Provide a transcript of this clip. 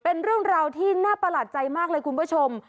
เป็นเรื่องราวที่น่าประหลาดใจมากเลยคุณผู้ชม